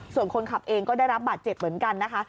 ส่วนคนขับเองก็ได้รับบาดเจ็บเหมือนกันนะคะ